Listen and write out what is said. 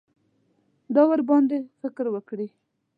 دا ورباندې فکر وکړي.